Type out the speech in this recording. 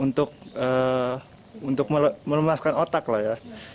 jadi cukup untuk melemaskan otak lah ya